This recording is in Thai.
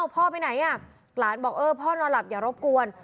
พ่อไปไหนหลานบอกเออพ่อนอนหลับอย่ารบกวน